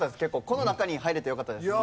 この中に入れてよかったです。